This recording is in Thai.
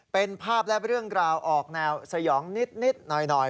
เป็นภาพและเรื่องราวออกแนวสยองนิดหน่อย